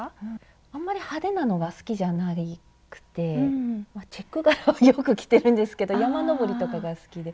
あんまり派手なのは好きじゃなくてチェック柄をよく着てるんですけど山登りとかが好きで。